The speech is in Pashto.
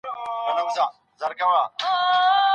د حج دپاره مي په کڅوڼي کي خپل احرام ایښی دی.